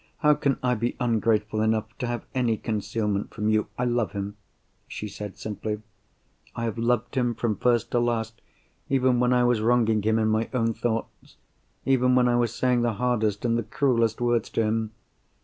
How can I be ungrateful enough to have any concealment from you? I love him," she said simply, "I have loved him from first to last—even when I was wronging him in my own thoughts; even when I was saying the hardest and the cruellest words to him.